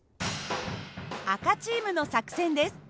赤チームの作戦です。